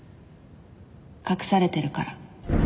隠されてるから。